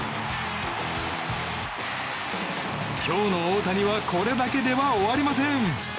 今日の大谷はこれだけでは終わりません。